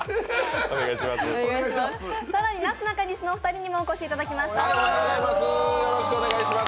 更になすなかにしのお二人にもお越しいただきました。